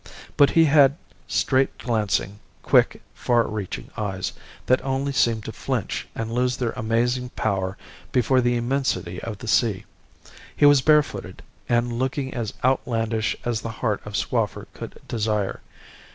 But he had straight glancing, quick, far reaching eyes, that only seemed to flinch and lose their amazing power before the immensity of the sea. He was barefooted, and looking as outlandish as the heart of Swaffer could desire.